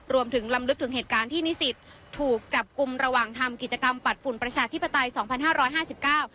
รวมถึงลำลึกถึงเหตุการณ์ที่นิสิตถูกจับกลุ่มระหว่างทำกิจกรรมปัดฝุ่นประชาธิปไตยสองพันห้าร้อยห้าสิบเก้า